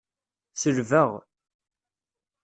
Selbeɣ.